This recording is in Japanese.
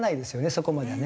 そこまではね。